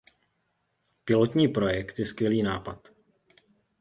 Pilotní projekt je skvělý nápad.